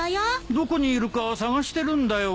どこにいるか捜してるんだよ。